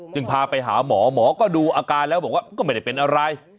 พาไปหาหมอหมอก็ดูอาการแล้วบอกว่าก็ไม่ได้เป็นอะไร